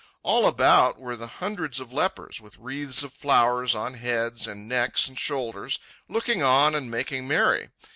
All about were the hundreds of lepers, with wreaths of flowers on heads and necks and shoulders, looking on and making merry.